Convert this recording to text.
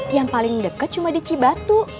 yang paling dekat cuma di cibatu